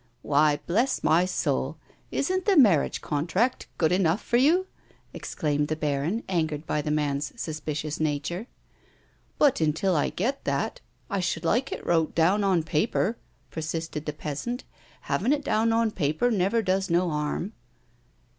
" Why, bless my soul, isn't the marriage contract good enough for you 1 " exclaimed the baron, angered by the man's suspicious nature. "But until I get that I should like it wrote down on paper," persisted the peasant. " Havin' it down on paper never does no harm."